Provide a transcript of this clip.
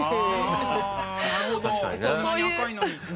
こんなに赤いのに。